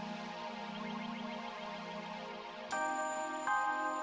aku punya berbedanya mas